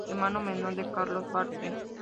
Hermano menor de Carlos Martel.